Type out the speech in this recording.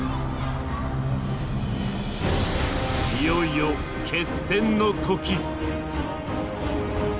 いよいよ決戦の時。